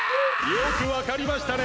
よくわかりましたね。